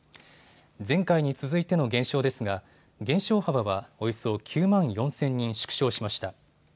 前回に続いての減少ですが減少幅はおよそ９万４０００人縮小しました。